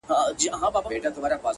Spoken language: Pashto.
بې سببه يې رڼا، د سترګو نه ده کمه شوې